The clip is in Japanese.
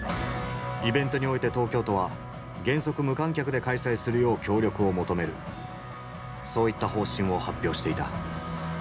イベントにおいて東京都は原則無観客で開催するよう協力を求めるそういった方針を発表していた。